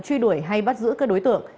truy đuổi hay bắt giữ các đối tượng